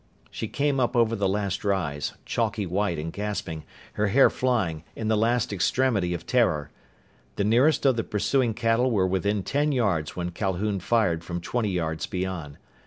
She came up over the last rise, chalky white and gasping, her hair flying, in the last extremity of terror. The nearest of the pursuing cattle were within ten yards when Calhoun fired from twenty yards beyond.